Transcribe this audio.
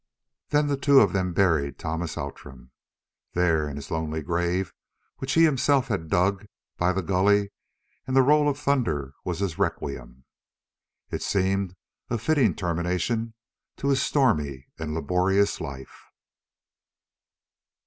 Then the two of them buried Thomas Outram, there in his lonely grave which he himself had dug by the gully, and the roll of the thunder was his requiem. It seemed a fitting termination to his stormy and laborious life.